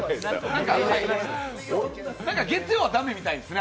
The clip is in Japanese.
なんか月曜は駄目みたいですね